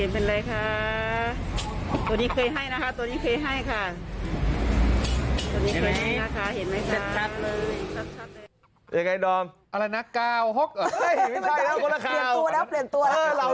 เปลี่ยนตัวแล้ว